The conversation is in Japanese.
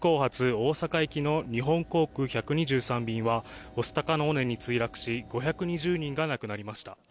大阪行きの日本航空１２３便は御巣鷹の尾根に墜落し５２０人が亡くなりました